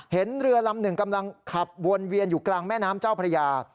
เห็นเรือลำหนึ่งกำลังขับวนเวียนอยู่กลางแม่น้ำเจ้าพระยา